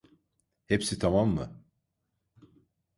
Hepsi tamam mı?